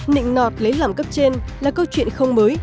nịnh nọt lấy làm cấp trên là câu chuyện không mới